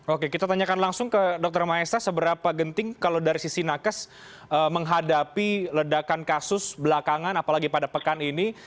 oke kita tanyakan langsung ke dr maesa seberapa genting kalau dari sisi nakes menghadapi ledakan kasus belakangan apalagi pada pekan ini